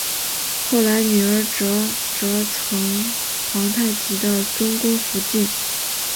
后来女儿哲哲成皇太极的中宫福晋。